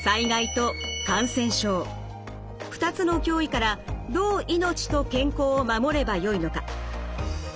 ２つの脅威からどう命と健康を守ればよいのか。